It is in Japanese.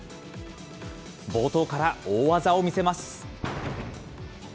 冒頭から大技を見せます。